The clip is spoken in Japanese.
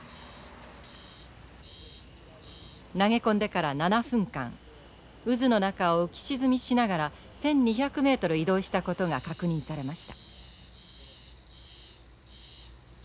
投げ込んでから７分間渦の中を浮き沈みしながら１，２００ｍ移動したことが確認されました。